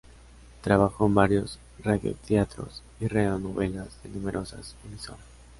Trabajó en varios radioteatros y radionovelas de numerosas emisoras.